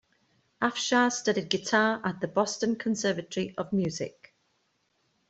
Afshar studied guitar at the Boston Conservatory of Music.